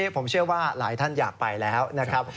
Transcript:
ผมเชื่อว่าหลายท่านอยากไปแล้วนะครับ